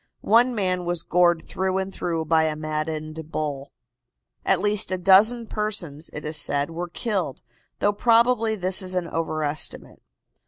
One man was gored through and through by a maddened bull. At least a dozen persons', it is said, were killed, though probably this is an overestimate.